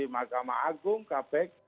mahkamah agung kpk